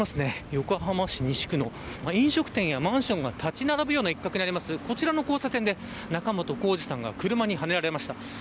横浜市西区の、飲食店やマンションが立ち並ぶ一角にあるこちらの交差点で仲本工事さんが車にはねられました。